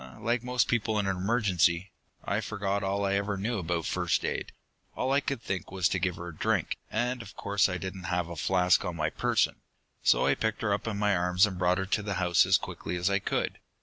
"Like most people in an emergency. I forgot all I ever knew about first aid. All I could think of was to give her a drink, and of course I didn't have a flask on my person. So I picked her up in my arms and brought her to the house as quickly as I could.